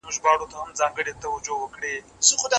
ما باید د سهار لمونځ په خپل وخت ادا کړی وای.